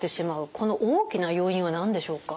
この大きな要因は何でしょうか？